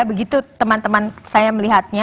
begitu teman teman saya melihatnya